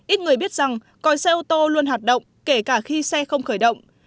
ít người biết rằng còi xe ô tô luôn hạt động kể cả khi xe không khởi động